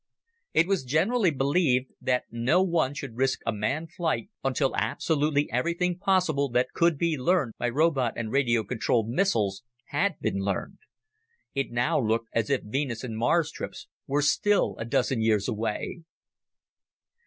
It was generally believed that no one should risk a manned flight until absolutely everything possible that could be learned by robot and radio controlled missiles had been learned. It now looked as if Venus and Mars trips were still a dozen years away.